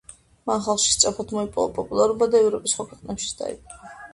მან ხალხში სწრაფად მოიპოვა პოპულარობა და ევროპის სხვა ქვეყნებიც დაიპყრო.